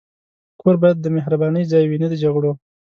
کور باید د مهربانۍ ځای وي، نه د جګړو.